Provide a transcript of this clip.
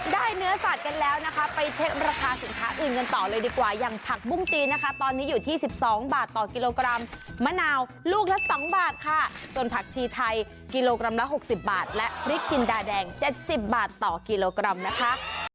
เนื้อสัตว์กันแล้วนะคะไปเช็คราคาสินค้าอื่นกันต่อเลยดีกว่าอย่างผักบุ้งจีนนะคะตอนนี้อยู่ที่๑๒บาทต่อกิโลกรัมมะนาวลูกละ๒บาทค่ะส่วนผักชีไทยกิโลกรัมละ๖๐บาทและพริกจินดาแดง๗๐บาทต่อกิโลกรัมนะคะ